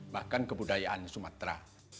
bahkan kebudayaan sumatera